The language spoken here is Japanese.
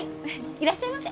いらっしゃいませ！